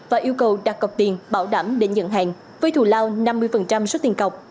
và yêu cầu đặt cọc tiền bảo đảm để nhận hàng với thù lao năm mươi số tiền cọc